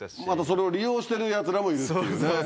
それを利用してるやつらもいるっていうね。